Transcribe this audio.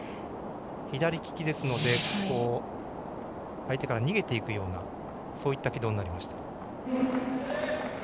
左利きですので相手から逃げていくようなそういった軌道になりました。